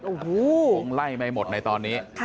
โอ้โหคงไล่ไม่หมดในตอนนี้